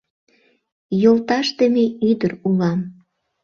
Йолташдыме ӱдыр улам